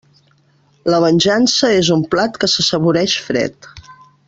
La venjança és un plat que s'assaboreix fred.